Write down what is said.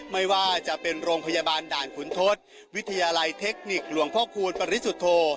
ไม่ว่าจะเป็นโรงพยาบาลด่านขุนทศวิทยาลัยเทคนิคหลวงพ่อคูณปริสุทธโธ